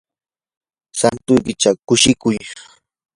santuykichaw kushikuy.